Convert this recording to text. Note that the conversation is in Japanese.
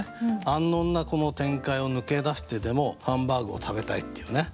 安穏なこの天界を抜け出してでもハンバーグを食べたいっていうね。